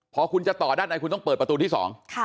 พอคุณจะต่อด้านในคุณต้องเปิดประตูที่สอง